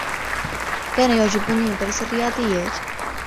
كان يعجبني مدرّس الرّياضيّات.